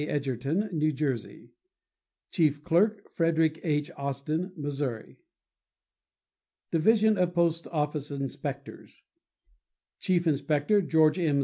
Edgerton, New Jersey. Chief Clerk.—Frederick H. Austin, Missouri. Division of Post Office Inspectors.— Chief Inspector.—George M.